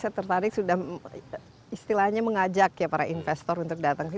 saya tertarik sudah istilahnya mengajak ya para investor untuk datang ke sini